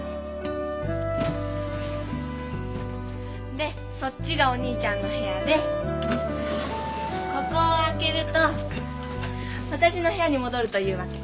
でそっちがお兄ちゃんの部屋でここを開けると私の部屋に戻るというわけ。